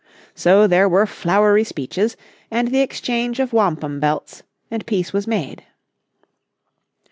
So there were flowery speeches, and the exchange of wampum belts, and peace was made.